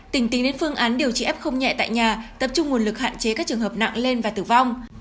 tỉnh tính đến phương án điều trị f nhẹ tại nhà tập trung nguồn lực hạn chế các trường hợp nặng lên và tử vong